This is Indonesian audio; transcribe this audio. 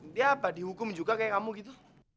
dia apa dihukum juga kayak kamu gitu